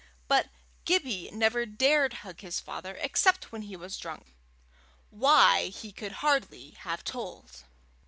But Gibbie never dared hug his father except when he was drunk why, he could hardly have told.